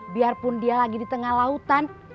biarpun dia lagi di tengah lautan